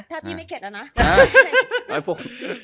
ถ้าพี่ไม่เข็ดแล้วนะ